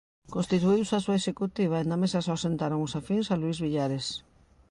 Constituíuse a súa executiva e na mesa só sentaron os afíns a Luís Villares.